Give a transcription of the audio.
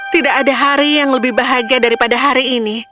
tidak ada hari yang lebih bahagia daripada hari ini